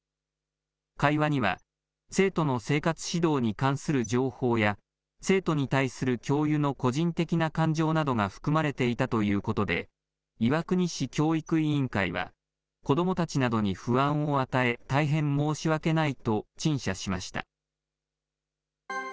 会話には、生徒の生活指導に関する情報や、生徒に対する教諭の個人的な感情などが含まれていたということで、岩国市教育委員会は、子どもたちなどに不安を与え、大変申し訳ないと陳謝しました。